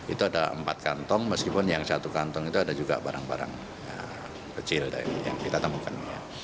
itu ada empat kantong meskipun yang satu kantong itu ada juga barang barang kecil yang kita temukan